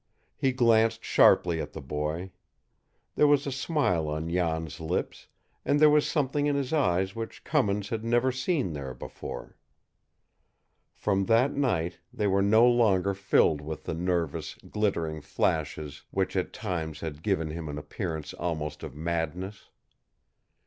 He glanced sharply at the boy. There was a smile on Jan's lips, and there was something in his eyes which Cummins had never seen there before. From that night they were no longer filled with the nervous, glittering flashes which at times had given him an appearance almost of madness.